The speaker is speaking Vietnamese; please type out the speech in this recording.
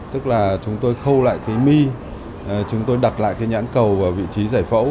tức là chúng tôi khâu lại cái mi chúng tôi đặt lại cái nhãn cầu ở vị trí giải phẫu